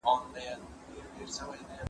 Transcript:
مور که لېوه هم سي، خپل زوى نه خوري.